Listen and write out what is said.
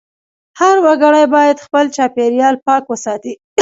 هر وګړی باید خپل چاپېریال پاک وساتي.